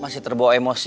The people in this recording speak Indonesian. masih terbawa emosi